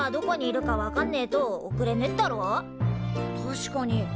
確かに。